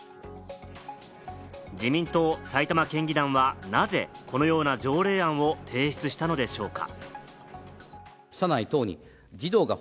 自民党・埼玉県議団は、なぜこのような条例案を提出したのでしょうか？